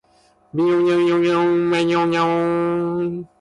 The word "for" indicates the duration of the action.